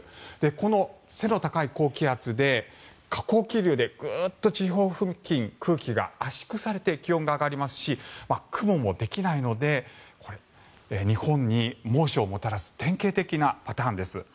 この背の高い高気圧で下降気流でグッと地表付近は空気が圧縮されて気温が上がりますし雲もできないので日本に猛暑をもたらす典型的なパターンです。